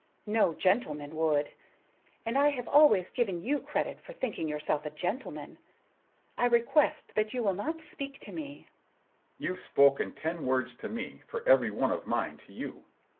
No gentleman would, and I have always given you credit for thinking yourself a gentleman. I request that you will not speak to me." Mr. Richards: "You've spoken ten words to me for every one of mine to you.